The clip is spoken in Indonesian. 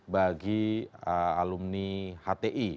bagi alumni hti